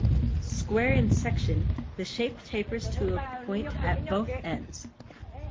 Square in section, the shape tapers to a point at both ends.